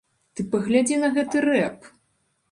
Ты паглядзі на гэты рэп!